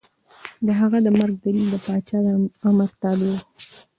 د هغه د مرګ دلیل د پاچا د امر تابعیت و.